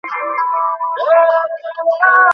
সে তাকিয়ে আছে এক দৃষ্টিতে।